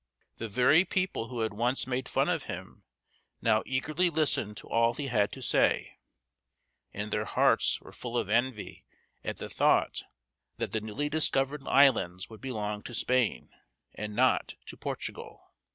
The very people who had once made fun of him now eagerly listened to all he had to say, and their hearts were full of envy at the thought that the newly discovered islands would belong to Spain, and not to Portugal.